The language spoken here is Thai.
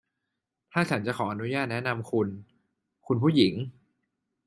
ถ้าฉันจะขออนุญาตแนะนำคุณ คุณผู้หญิง